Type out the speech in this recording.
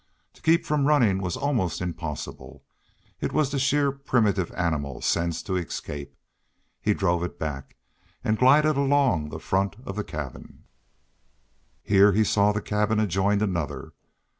To keep from running was almost impossible. It was the sheer primitive animal sense to escape. He drove it back and glided along the front of the cabin. Here he saw that the cabin adjoined another.